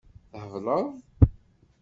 Thebleḍ?